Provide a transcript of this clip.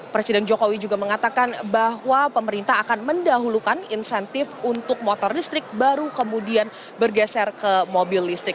presiden jokowi juga mengatakan bahwa pemerintah akan mendahulukan insentif untuk motor listrik baru kemudian bergeser ke mobil listrik